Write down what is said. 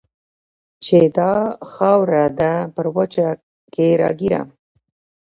چې دا خاوره ده پر وچه کې راګېره